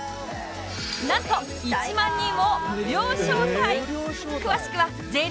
なんと１万人を無料招待！